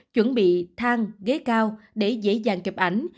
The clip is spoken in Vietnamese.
chuẩn bị thang ghế cao để dễ dàng chụp ảnh